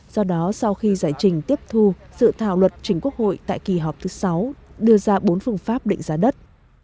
do đó sau khi giải trình tiếp thu dự thảo luật chính quốc hội tại kỳ họp thứ sáu đưa ra bốn phương pháp định giá đất